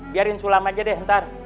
biarin sulam aja deh ntar